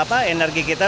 buat menambah energi kita